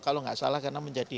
kalau nggak salah karena menjadi